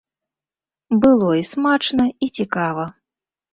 Было і смачна, і цікава.